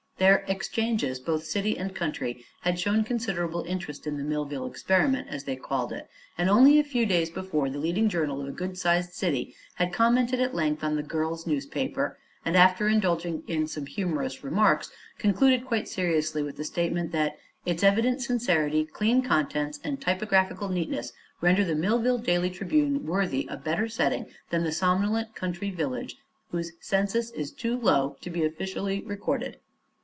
Their "exchanges," both city and country, had shown considerable interest in the "Millville Experiment," as they called it, and only a few days before the leading journal of a good sized city had commented at length on the "girls' newspaper" and, after indulging in some humorous remarks, concluded quite seriously with the statement that "its evident sincerity, clean contents and typographical neatness render the Millville Daily Tribune worthy a better setting than the somnolent country village whose census is too low to be officially recorded."